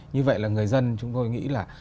như vậy là người dân chúng tôi nghĩ là